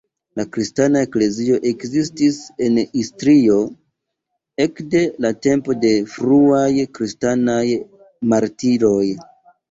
La kristana eklezio ekzistis en Istrio ekde la tempoj de la fruaj kristanaj martiroj.